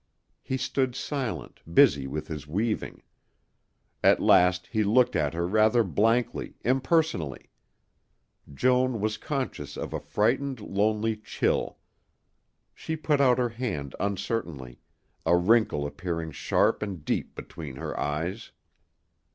He stood silent, busy with his weaving. At last he looked at her rather blankly, impersonally. Joan was conscious of a frightened, lonely chill. She put out her hand uncertainly, a wrinkle appearing sharp and deep between her eyes.